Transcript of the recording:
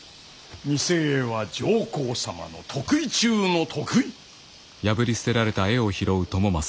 似絵は上皇様の得意中の得意。